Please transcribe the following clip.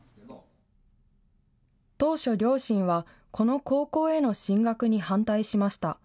当初、両親はこの高校への進学に反対しました。